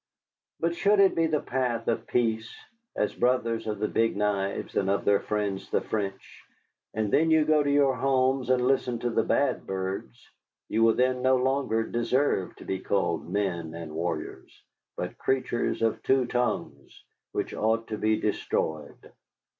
But, should it be the path of peace as brothers of the Big Knives and of their friends the French, and then you go to your homes and listen to the bad birds, you will then no longer deserve to be called men and warriors, but creatures of two tongues, which ought to be destroyed.